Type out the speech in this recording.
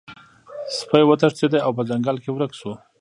سپی وتښتید او په ځنګل کې ورک شو.